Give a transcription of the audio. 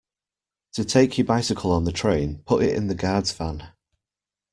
To take your bicycle on the train, put it in the guard’s van